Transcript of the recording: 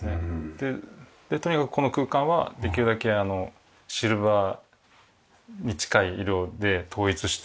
でとにかくこの空間はできるだけあのシルバーに近い色で統一してるんですね。